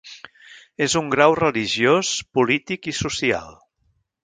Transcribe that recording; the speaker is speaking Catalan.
És un grau religiós, polític i social.